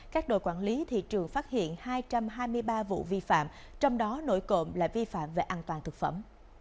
các đội quản lý thị trường phát hiện hai trăm hai mươi ba vụ vi phạm trong đó nổi cộng là vi phạm về an toàn thực phẩm